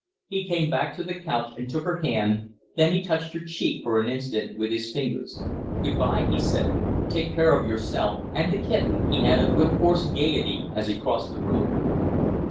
He came back to the couch and took her hand; then he touched her cheek for an instant with his fingers. "Good bye," he said. "Take care of yourself and the kitten," he added, with forced gayety, as he crossed the room.